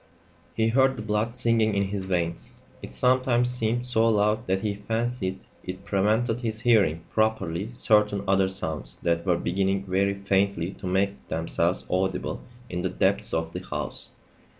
He heard the blood singing in his veins. It sometimes seemed so loud that he fancied it prevented his hearing properly certain other sounds that were beginning very faintly to make themselves audible in the depths of the house.